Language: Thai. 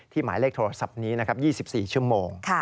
หมายเลขโทรศัพท์นี้นะครับ๒๔ชั่วโมง